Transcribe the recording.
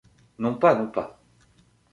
Non pas, non pas.